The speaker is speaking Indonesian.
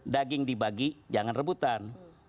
daging dibagi jangan rebutan